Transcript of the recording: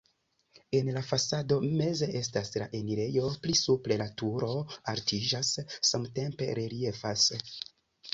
En la fasado meze estas la enirejo, pli supre la turo altiĝas, samtempe reliefas.